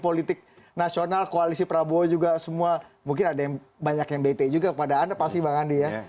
politik nasional koalisi prabowo juga semua mungkin ada yang banyak yang bete juga kepada anda pasti bang andi ya